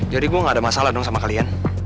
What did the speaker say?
jadi gua gak ada masalah dong sama kalian